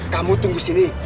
kamu tunggu sini